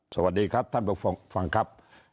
สวัสดีครับท่านผู้ฟังครับ